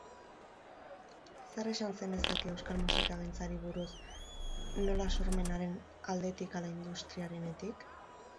Zer esan zenezake euskal musikagintzari buruz, nola sormenaren aldetik hala industriarenetik?